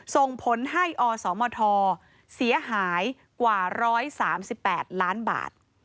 ส่งผลให้อสมทเสียหายกว่า๑๓๘ล้านบาท